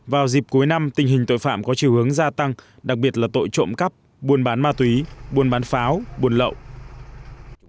vào dịp cuối năm tình hình tội phạm có chiều hướng gia tăng đặc biệt là tội trộm cắp buôn bán ma túy buôn bán pháo buồn lậu